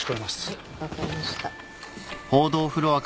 はい分かりました。